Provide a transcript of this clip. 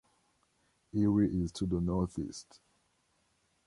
Erie is to the northeast.